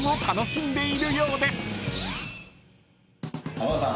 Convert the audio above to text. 浜田さん